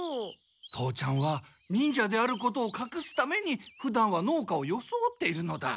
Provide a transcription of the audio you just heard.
父ちゃんは忍者であることをかくすためにふだんは農家をよそおっているのだ。